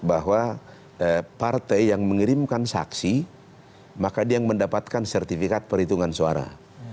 bahwa partai yang mengirimkan saksi maka dia yang mendapatkan sertifikat perhitungan suara